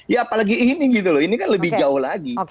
ya apalagi ini gitu loh ini kan lebih jauh lagi